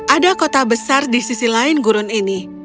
ada kota besar di sisi lain gurun ini